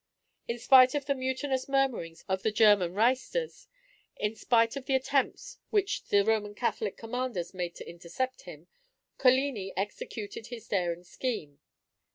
In spite of the mutinous murmurings of the German reisters, in spite of the attempts which the Roman Catholic commanders made to intercept him, Coligni executed his daring scheme.